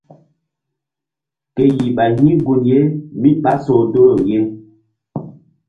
Ke yih ɓay hi̧ gun ye mí ɓá soh doro ye.